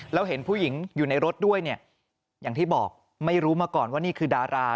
แล้วเห็นผู้หญิงอยู่ในรถด้วยเนี่ยอย่างที่บอกไม่รู้มาก่อนว่านี่คือดารา